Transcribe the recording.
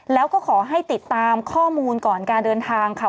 แล้วก็ขอให้ติดตามข้อมูลก่อนการเดินทางค่ะ